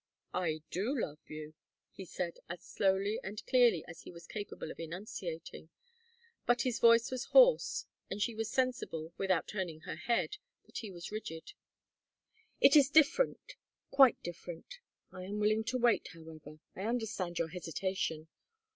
"I do love you," he said, as slowly and clearly as he was capable of enunciating. But his voice was hoarse, and she was sensible, without turning her head, that he was rigid. "It is different quite different. I am willing to wait, however. I understand your hesitation.